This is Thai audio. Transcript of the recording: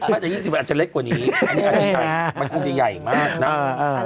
ถ้าจะ๒๐อาจจะเล็กกว่านี้อันนี้อาจจะใหญ่มันคงจะใหญ่มากนะเออเออ